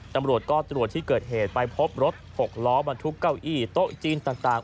ตำรวจก็ตรวจที่เกิดเหตุไปพบรถ๖ล้อบรรทุกเก้าอี้โต๊ะจีนต่าง